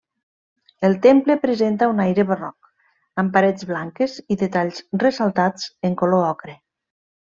El temple presenta un aire barroc, amb parets blanques i detalls ressaltats en color ocre.